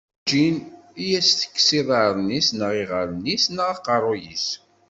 Werǧin i as-tekkes iḍarren-is, neɣ iɣallen-is, neɣ aqerru-s.